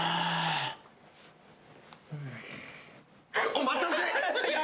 お待たせ！